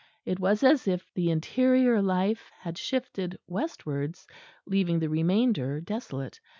It was as if the interior life had shifted westwards, leaving the remainder desolate.